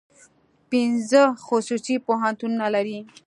پنځه خصوصي پوهنتونونه لري.